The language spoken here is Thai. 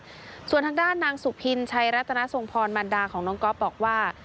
สุขตินะคะส่วนทางด้านนางสุพินชัยรัตนสงพรมารดาของน้องก๊อฟบอกว่า